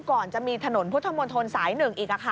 ก่อนจะมีถนนพุทธมนตรสาย๑อีก